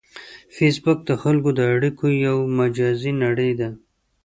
فېسبوک د خلکو د اړیکو یو مجازی نړۍ ده